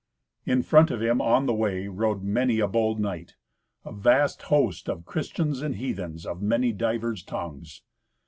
In front of him on the way rode many a bold knight—a vast host of Christians and heathens of many divers tongues.